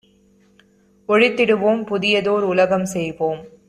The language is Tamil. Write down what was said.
ஒழித்திடுவோம்; புதியதோர் உலகம் செய்வோம்!